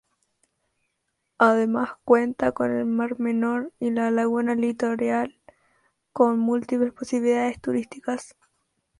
Además, cuenta con el Mar Menor, una laguna litoral con múltiples posibilidades turísticas.